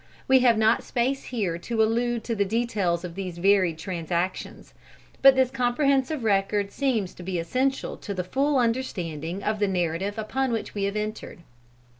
We have not space here to allude to the details of these varied transactions. But this comprehensive record seems to be essential to the full understanding of the narrative upon which we have entered.